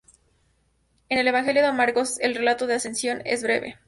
En el Evangelio de Marcos el relato de la Ascensión es breve.